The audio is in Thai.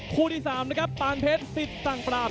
คู่ที่๓นะครับปานเพชรสิทธิ์สั่งปราบ